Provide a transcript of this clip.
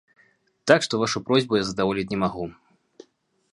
Так што вашу просьбу я задаволіць не магу.